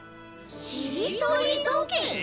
しりとりどけい？